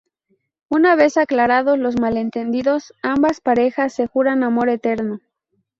Una vez aclarados los malentendidos, ambas parejas se juran amor eterno.